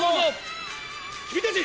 君たち！